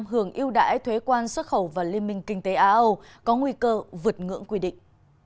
hưởng yêu đãi thuế quan xuất khẩu và liên minh kinh tế a âu có nguy cơ vượt ngưỡng quy định